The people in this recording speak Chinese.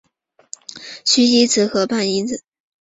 叙伊兹河畔讷伊。